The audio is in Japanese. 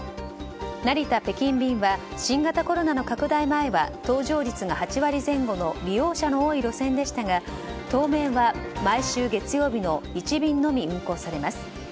成田北京便は新型コロナの拡大前は搭乗率が８割前後の利用者の多い路線でしたが当面は毎週月曜日の１便のみ運航されます。